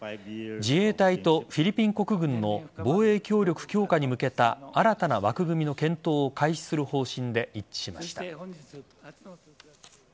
自衛隊とフィリピン国軍の防衛協力強化に向けた新たな枠組みの検討を開始する方針で一致しました。